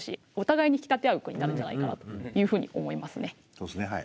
そうですねはい。